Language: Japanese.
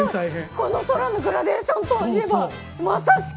この空のグラデーションといえばまさしく！